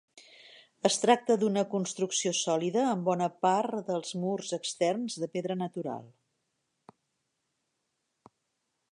Es tracta d'una construcció sòlida, amb bona part dels murs externs de pedra natural.